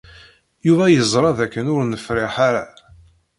Yuba yeẓra dakken ur nefṛiḥ ara.